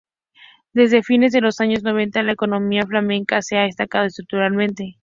Desde fines de los años noventas, la economía flamenca se ha estancado estructuralmente.